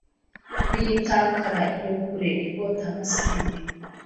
Biyitakara iyo kure irwotamasimbi.